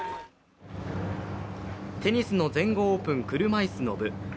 テニスの全豪オープン車いすの部。